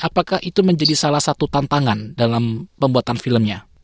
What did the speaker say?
apakah itu menjadi salah satu tantangan dalam pembuatan filmnya